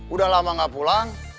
udah lama gak pulang